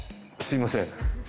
すいません